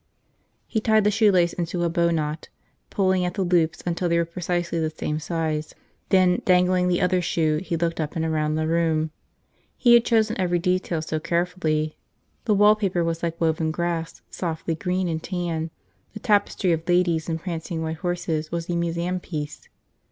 .... He tied the shoelace into a bowknot, pulling at the loops until they were precisely the same size. Then, dangling the other shoe, he looked up and around the room. He had chosen every detail so carefully. The wallpaper was like woven grass, softly green and tan, the tapestry of ladies and prancing white horses was a museum piece.